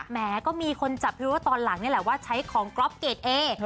แหมก็มีคนจับอยู่ว่าตอนหลังนี่แหละว่าใช้ของกรอบเกรดเอ